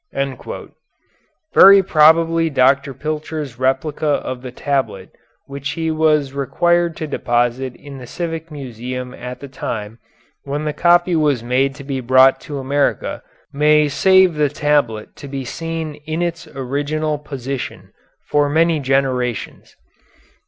Very probably Dr. Pilcher's replica of the tablet which he was required to deposit in the Civic Museum at the time when the copy was made to be brought to America may save the tablet to be seen in its original position for many generations.